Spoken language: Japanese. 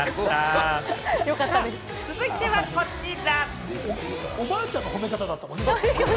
続いてはこちら。